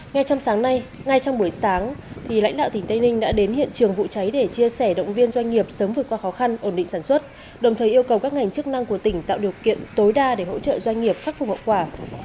ngay trong sáng nay ngay trong buổi sáng lãnh đạo tỉnh tây ninh đã đến hiện trường vụ cháy để chia sẻ động viên doanh nghiệp sớm vượt qua khó khăn ổn định sản xuất đồng thời yêu cầu các ngành chức năng của tỉnh tạo điều kiện tối đa để hỗ trợ doanh nghiệp khắc phục hậu quả